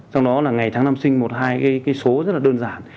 trong đó là ngày tháng năm sinh một hai cái số rất là đơn giản